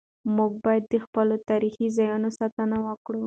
موږ باید د خپلو تاریخي ځایونو ساتنه وکړو.